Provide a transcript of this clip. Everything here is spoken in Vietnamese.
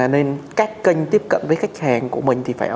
nên các kênh tiếp cận với khách hàng của mình thì phải